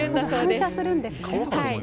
反射するんですね。